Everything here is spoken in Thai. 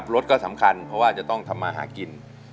รถก็สำคัญเพราะว่าจะต้องทำมาหากิน